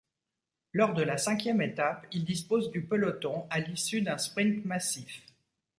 Lors de la cinquième étape, il dispose du peloton à l'issue d'un sprint massif.